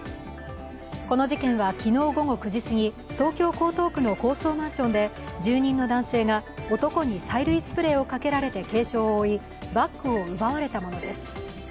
この事件は昨日午後９時すぎ東京・江東区の高層マンションで住人の男性が男に催涙スプレーをかけられて軽傷を負いバッグを奪われたものです。